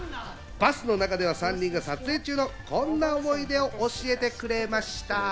バスの中では３人が撮影中のこんな思い出を教えてくれました。